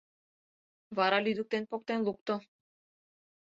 — Вара, лӱдыктен, поктен лукто...